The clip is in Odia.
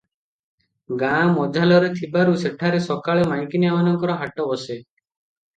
ଗାଁ ମଝାଲରେ ଥିବାରୁ ସେଠାରେ ସକାଳେ ମାଈକିନିଆ ମାନଙ୍କର ହାଟ ବସେ ।